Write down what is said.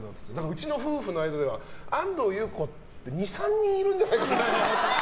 うちの夫婦の間では安藤優子って２３人いるんじゃないかって。